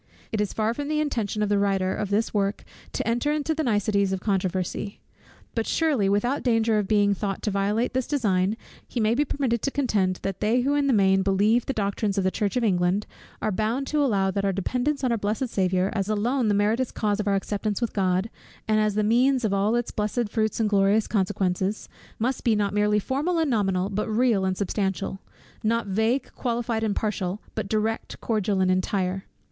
It is far from the intention of the writer of this work to enter into the niceties of controversy. But surely without danger of being thought to violate this design, he may be permitted to contend, that they who in the main believe the doctrines of the church of England, are bound to allow that our dependence on our blessed Saviour, as alone the meritorious cause of our acceptance with God, and as the means of all its blessed fruits and glorious consequences, must be not merely formal and nominal, but real and substantial: not vague, qualified, and partial, but direct, cordial, and entire.